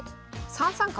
３三角。